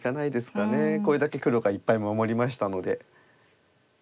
これだけ黒がいっぱい守りましたので。